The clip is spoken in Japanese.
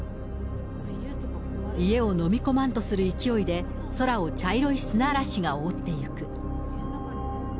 家を飲み込まんとする勢いで、空を茶色い砂嵐が覆っていく。